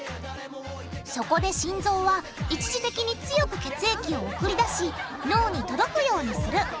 そこで心臓は一時的に強く血液を送り出し脳に届くようにする。